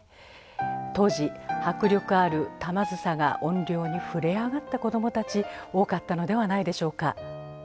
当時迫力ある玉梓が怨霊に震え上がった子どもたち多かったのではないでしょうか。